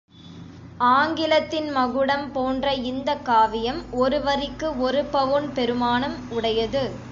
ஆங்கிலத்தின் மகுடம் போன்ற இந்தக் காவியம் ஒருவரிக்கு ஒரு பவுன் பெறுமானம் உடையது.